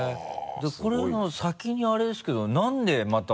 でこれの先にあれですけど何でまた。